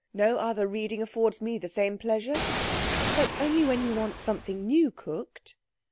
No other reading affords me the same pleasure." "But only when you want something new cooked."